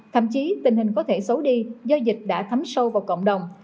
thậm chí tình hình có thể xấu đi do dịch đã thấm sâu vào cộng đồng